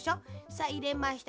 さっいれました。